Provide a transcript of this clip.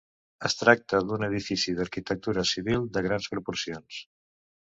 Es tracta d'un edifici d'arquitectura civil de grans proporcions.